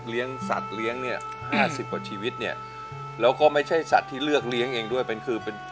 สัตว์เลี้ยงเนี่ยห้าสิบกว่าชีวิตเนี่ยแล้วก็ไม่ใช่สัตว์ที่เลือกเลี้ยงเองด้วยเป็นคือเป็น